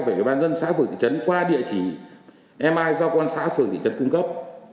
về công an xã phường thị trấn qua địa chỉ emai do công an xã phường thị trấn cung cấp